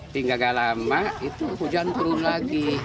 tinggal gak lama itu hujan turun lagi